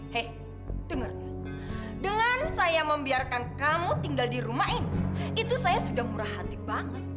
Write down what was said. hei dengarnya dengan saya membiarkan kamu tinggal di rumah ini itu saya sudah murah hati banget